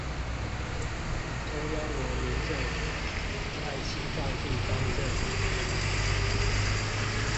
中央人民政府和西藏地方政府